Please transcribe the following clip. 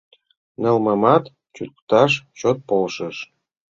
Ныллымат чӱкташ чот полшыш...